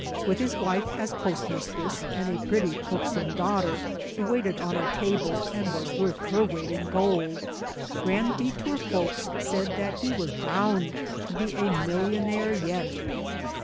With his wife as postmistress, and a pretty, buxom daughter, who waited on our table and was worth her weight in gold, Grand Detour folks said that he was bound to be a millionnaire yet.